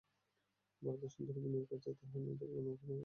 বরদাসুন্দরী বিনয়ের কাছে তাঁহার মেয়েদের গুণপনার পরিচয় দিতে লাগিলেন।